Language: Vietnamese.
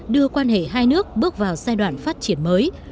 đưa quan hệ hai nước bước vào giai đoạn phát triển mới